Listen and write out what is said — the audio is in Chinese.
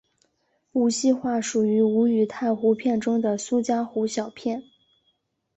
无锡话属于吴语太湖片中的苏嘉湖小片。